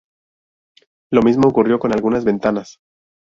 Lo mismo ocurrió con algunas ventanas.